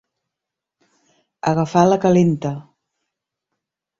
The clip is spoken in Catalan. Agafar la calenta.